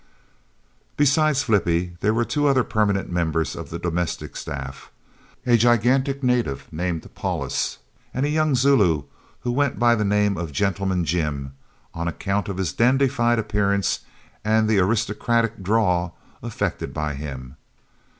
Besides Flippie, there were two other permanent members on the domestic staff a gigantic native named Paulus, and a young Zulu who went by the name of "Gentleman Jim" on account of his dandified appearance and the aristocratic "drawl" affected by him.